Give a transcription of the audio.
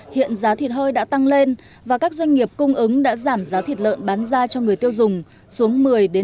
hiện giá thịt hơi đã tăng lên và các doanh nghiệp cung ứng đã giảm giá thịt lợn bán ra cho người tiêu dùng xuống một mươi một mươi